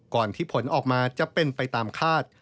ที่ผลออกมาจะเป็นไปตามคาด